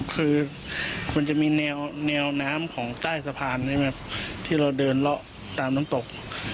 คือมันจะมีแนวน้ำของใต้สะพานที่เราเดินเลาะตามน้ำตก